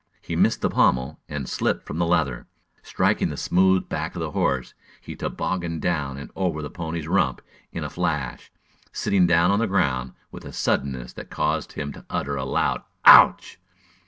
He missed the pommel and slipped from the leather. Striking the smooth back of the horse, he tobogganed down and over the pony's rump in a flash, sitting down on the ground with a suddenness that caused him to utter a loud "Ouch!"